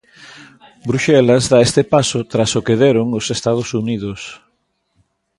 Bruxelas da este paso tras o que deron os Estados Unidos.